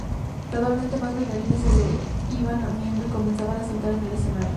Gradualmente, más bailarines se le iban uniendo y comenzaban a saltar en el escenario.